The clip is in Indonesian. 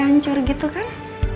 hancur gitu kan